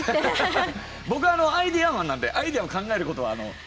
僕アイデアマンなんでアイデアを考えることは。